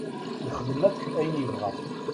Yexdem akk ayen yebɣa.